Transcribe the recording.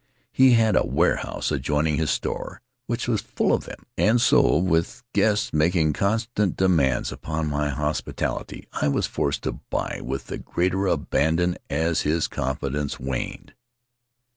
He had a warehouse adjoining his store which was full of them, and so, with guests making constant demands upon my hospitality, I was forced to buy with the greater abandon as his confidence waned.